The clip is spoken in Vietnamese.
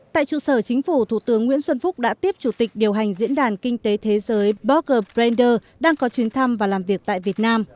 tại trụ sở chính phủ thủ tướng nguyễn xuân phúc đã tiếp chủ tịch điều hành diễn đàn kinh tế thế giới borr brander đang có chuyến thăm và làm việc tại việt nam